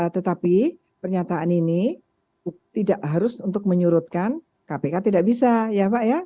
tetapi pernyataan ini tidak harus untuk menyurutkan kpk tidak bisa ya pak ya